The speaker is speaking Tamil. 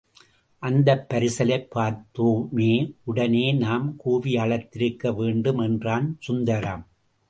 அந்தப் பரிசலைப் பார்த்தோமே, உடனே நாம் கூவி அழைத்திருக்க வேண்டும் என்றான் சுந்தரம்.